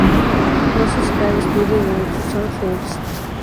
Nurses´Health Study- The Nutrition Source